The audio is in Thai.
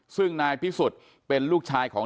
ซึ่งนายพิสุทธิ์เป็นลูกชายของ